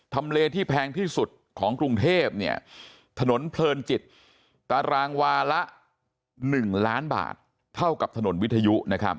เลที่แพงที่สุดของกรุงเทพถนนเพลินจิตตารางวาละ๑ล้านบาทเท่ากับถนนวิทยุ